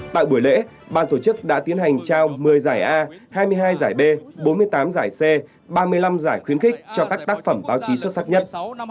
tại buổi lễ ban tổ chức đã tiến hành trao một mươi giải a hai mươi hai giải b bốn mươi tám giải c ba mươi năm giải khuyến khích cho các tác phẩm báo chí xuất sắc nhất